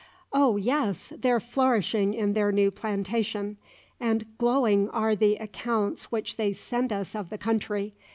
"Oh, yes! they're flourishing in their new plantation; and glowing are the accounts which they send us of the country.